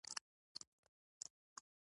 امیر محمد اعظم خان رخصت ورکوي.